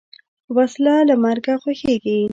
وسله له مرګه خوښیږي